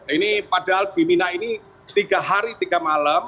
ini padahal di mina ini tiga hari tiga malam